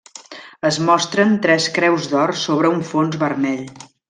Es mostren tres creus d'or sobre un fons vermell.